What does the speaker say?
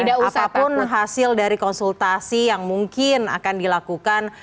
apapun hasil dari konsultasi yang mungkin akan dilakukan